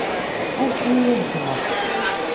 Anfem-iyi ad ffɣeɣ!